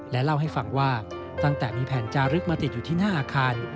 เล่าให้ฟังว่าตั้งแต่มีแผ่นจารึกมาติดอยู่ที่หน้าอาคาร